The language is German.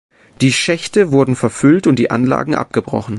Die Schächte wurden verfüllt und die Anlagen abgebrochen.